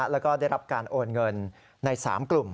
แล้วก็ได้รับการโอนเงินใน๓กลุ่ม